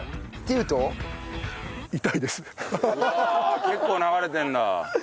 うわ結構流れてるんだ。